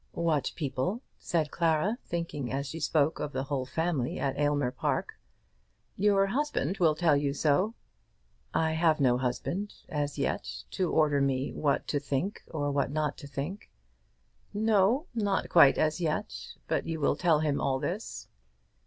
"What people?" said Clara, thinking as she spoke of the whole family at Aylmer Park. "Your husband will tell you so." "I have no husband, as yet, to order me what to think or what not to think." "No; not quite as yet. But you will tell him all this."